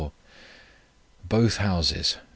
Both houses, No.